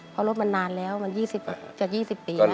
พอรถมันนานแล้วมัน๒๐ปีจาก๒๐ปี